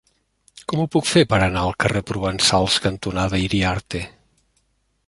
Com ho puc fer per anar al carrer Provençals cantonada Iriarte?